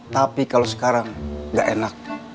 tapi kalau sekarang nggak enak